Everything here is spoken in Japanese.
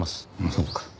そうか。